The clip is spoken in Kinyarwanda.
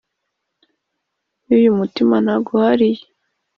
Y ' uyu mutima naguhariye !